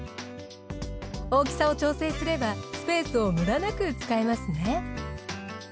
大きさを調整すればスペースを無駄なく使えますね。